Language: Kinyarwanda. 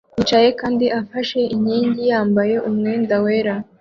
yicaye kandi afashe inkingi yambaye umwenda wera